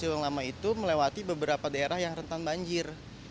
yang lama itu melewati beberapa daerah yang rentan banjir